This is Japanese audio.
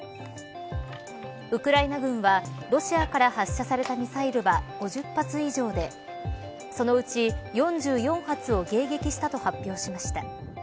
ウクライナ軍はロシアから発射されたミサイルは５０発以上でそのうち４４発を迎撃したと発表しました。